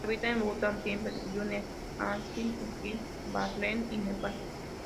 Habita en Bután, Tibet, Yunnan, Kashmir, Sikkim, Darjeeling y Nepal.